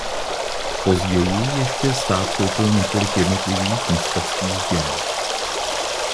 Později ještě stát koupil několik jednotlivých mistrovských děl.